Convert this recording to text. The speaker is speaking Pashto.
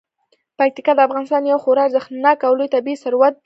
پکتیکا د افغانستان یو خورا ارزښتناک او لوی طبعي ثروت دی.